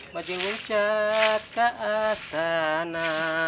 bu haji nguncat ke astana